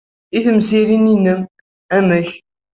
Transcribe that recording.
I temsirin-nnem, amek?